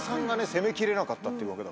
攻めきれなかったってわけだから。